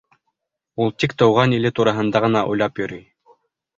Ул тик тыуған иле тураһында ғына уйлап йөрөй.